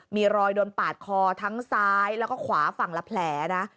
มีรอยโดนปาดคอทั้งซ้ายแล้วก็ขวาฝั่งละแผลนะ